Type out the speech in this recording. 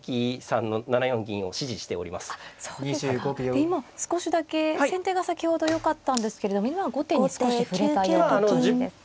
で今少しだけ先手が先ほどよかったんですけれども今は後手に少し振れたような感じです。